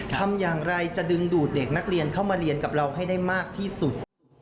ทำอย่างไรจะดึงดูดเด็กนักเรียนเข้ามาเรียนกับเราให้ได้มากที่สุด